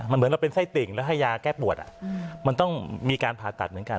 เหมือนเราเป็นไส้ติ่งแล้วให้ยาแก้ปวดมันต้องมีการผ่าตัดเหมือนกัน